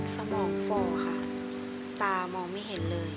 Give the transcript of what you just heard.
สมองฟ่อค่ะตามองไม่เห็นเลย